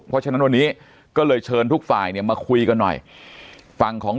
เพราะฉะนั้นวันนี้ก็เลยเชิญทุกฝ่ายเนี่ยมาคุยกันหน่อยฝั่งของ